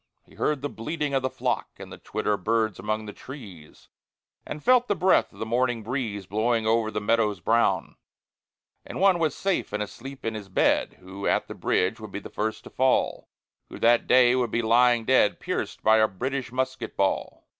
He heard the bleating of the flock, And the twitter of birds among the trees, And felt the breath of the morning breeze Blowing over the meadows brown. And one was safe and asleep in his bed Who at the bridge would be first to fall, Who that day would be lying dead, Pierced by a British musket ball.